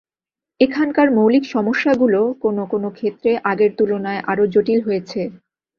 এখানকার মৌলিক সমস্যাগুলো কোনো কোনো ক্ষেত্রে আগের তুলনায় আরও জটিল হয়েছে।